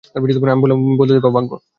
আমি বললাম বদলে দেবো, ভাগ্য।